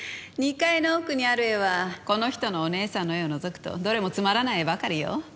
２階の奥にある絵はこの人のお姉さんの絵を除くとどれもつまらない絵ばかりよ。